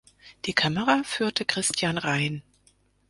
Die Kamera führte Christian Rein.